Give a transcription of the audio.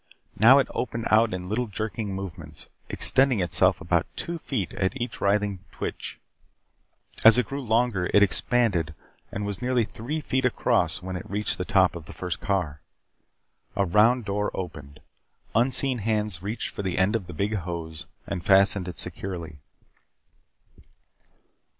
Now it opened out in little jerking movements, extending itself about two feet at each writhing twitch. As it grew longer it expanded and was nearly three feet across when it reached the top of the first car. A round door opened. Unseen hands reached the end of the big hose and fastened it securely.